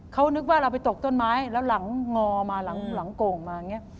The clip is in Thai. เขานึกว่าเราไปตกต้นไม้แล้วหลังงอมาหลังโก่งมาอย่างนี้